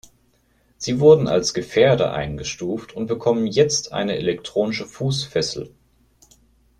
Sie wurden als Gefährder eingestuft und bekommen jetzt eine elektronische Fußfessel.